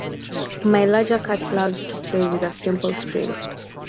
My larger cat loves to play with a simple string.